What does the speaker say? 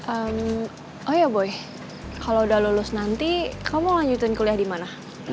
oh ya boy kalau udah lulus nanti kamu lanjutin kuliah di mana